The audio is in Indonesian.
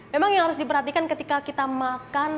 memang yang harus diperhatikan ketika kita makan